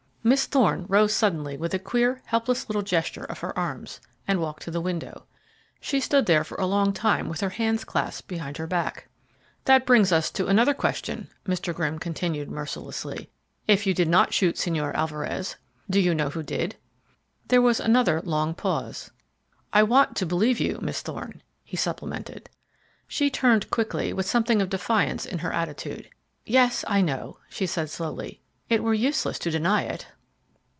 Miss Thorne rose suddenly with a queer, helpless little gesture of her arms, and walked to the window. She stood there for a long time with her hands clasped behind her back. "That brings us to another question," Mr. Grimm continued mercilessly. "If you did not shoot Señor Alvarez, do you know who did?" There was another long pause. "I want to believe you, Miss Thorne," he supplemented. She turned quickly with something of defiance in her attitude. "Yes, I know," she said slowly. "It were useless to deny it."